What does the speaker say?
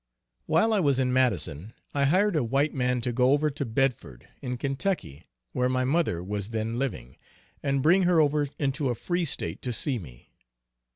While I was in Madison I hired a white man to go over to Bedford, in Kentucky, where my mother was then living, and bring her over into a free State to see me.